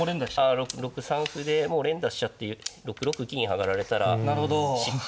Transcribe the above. あ６三歩でもう連打しちゃって６六金上がられたら失敗。